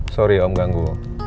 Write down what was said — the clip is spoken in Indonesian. maaf om ganggu